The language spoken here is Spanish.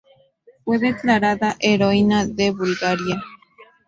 Fue declarada heroína de Bulgaria.